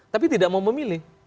tapi tidak mau memilih